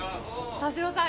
三四郎さん